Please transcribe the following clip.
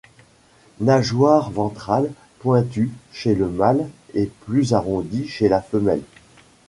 Nageoires ventrales pointues chez le mâle et plus arrondies chez la femelle.